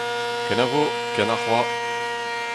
Kenavo, ken arc’hoazh.